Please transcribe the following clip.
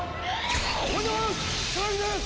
おはようございます草薙です！